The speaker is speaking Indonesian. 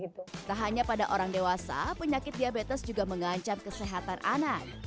tak hanya pada orang dewasa penyakit diabetes juga mengancam kesehatan anak